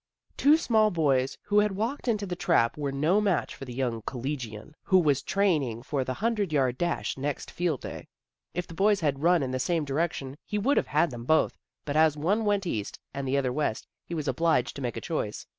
The two small boys who had walked into the trap were no match for the young collegian, who was training for the hundred yard dash next field day. If the boys had run in the same direction he would have had them both, but as one went east and the other west, he was obliged to make a choice.